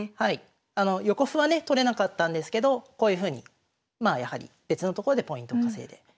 横歩はね取れなかったんですけどこういうふうに別のところでポイントを稼いで。